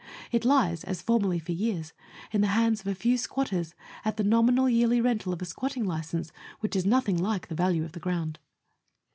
It lies, as formerly for years, in the hands of a few squatters at the nominal yearly rental of a squatting license, which is nothing like the value of the ground.